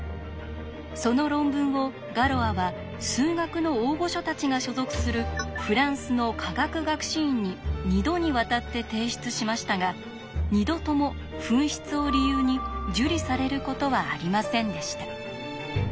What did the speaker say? その論文をガロアは数学の大御所たちが所属するフランスの科学学士院に２度にわたって提出しましたが２度とも紛失を理由に受理されることはありませんでした。